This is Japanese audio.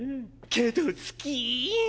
けど好きぃ！